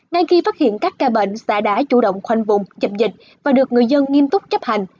ngay khi phát hiện các ca bệnh xã đã chủ động khoanh vùng dập dịch và được người dân nghiêm túc chấp hành